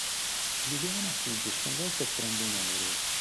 Liliana fugge sconvolta e prende un aereo.